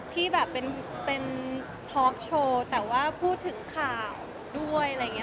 ที่แบบเป็นทอล์กโชว์แต่ว่าพูดถึงข่าวด้วยอะไรอย่างนี้